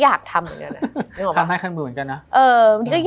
มันทำให้ชีวิตผู้มันไปไม่รอด